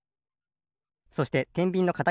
そしててんびんのかた